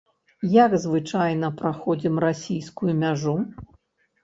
Як звычайна праходзім расійскую мяжу?